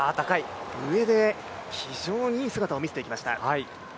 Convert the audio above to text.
上で非常にいい姿を見せてきました。